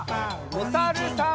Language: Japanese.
おさるさん。